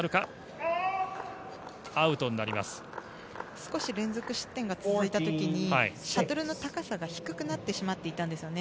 少し連続失点が続いた時にシャトルの高さが、低くなってしまっていたんですよね。